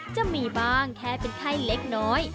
จะมีบ้างแค่เป็นไข้เล็กน้อย